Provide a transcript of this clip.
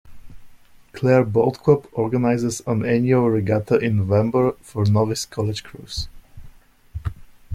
Clare Boat Club organises an annual regatta in November for novice College crews.